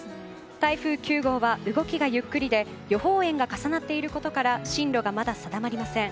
台風９号は動きがゆっくりで予報円が重なっていることから進路がまだ定まりません。